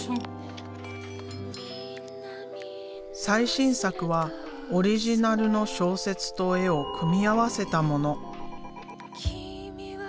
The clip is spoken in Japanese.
最新作はオリジナルの小説と絵を組み合わせたもの。